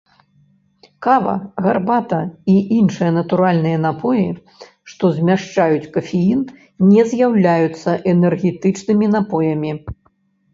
Кава, гарбата і іншыя натуральныя напоі, што змяшчаюць кафеін, не з'яўляюцца энергетычнымі напоямі.